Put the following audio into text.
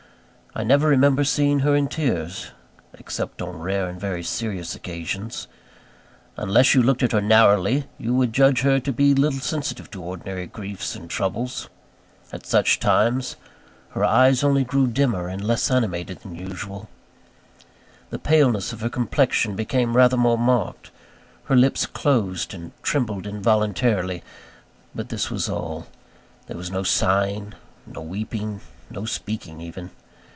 I never remember seeing her in tears, except on rare and very serious occasions. Unless you looked at her narrowly, you would judge her to be little sensitive to ordinary griefs and troubles. At such times, her eyes only grew dimmer and less animated than usual; the paleness of her complexion became rather more marked; her lips closed and trembled involuntarily but this was all: there was no sighing, no weeping, no speaking even.